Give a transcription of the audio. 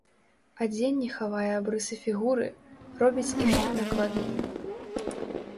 Адзенне хавае абрысы фігуры, робіць іх недакладнымі.